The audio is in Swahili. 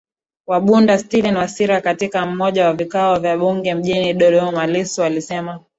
wa Bunda Steven Wasira katika moja ya vikao vya Bunge mjini DodomaLissu alisema